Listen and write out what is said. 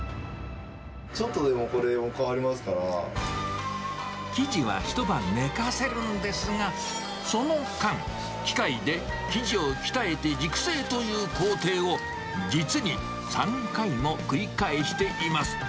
ちょっとでもこれ、生地は一晩寝かせるんですが、その間、機械で生地を鍛えて熟成という工程を実に３回も繰り返しています。